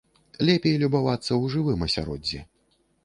Лепей любавацца ў жывым асяроддзі.